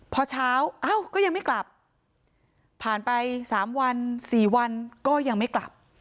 พอเช้าเอ้าก็ยังไม่กลับผ่านไป๓วัน๔วันก็ยังไม่กลับ